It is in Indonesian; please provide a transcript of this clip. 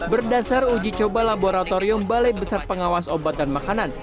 berdasar uji coba laboratorium balai besar pengawas obat dan makanan